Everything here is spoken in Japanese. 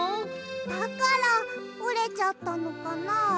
だからおれちゃったのかな。